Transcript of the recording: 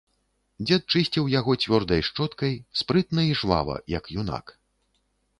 Дзед чысціў яго цвёрдай шчоткай спрытна і жвава, як юнак.